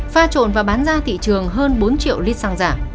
pha trộn và bán ra thị trường hơn bốn triệu lít xăng giả